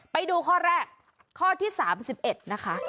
ไปดูข้อแรกข้อที่๓๑นะคะ